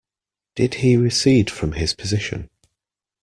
Did he recede from his position?